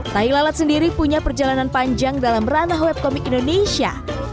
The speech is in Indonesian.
tahila lats sendiri punya perjalanan panjang dalam ranah webkomik indonesia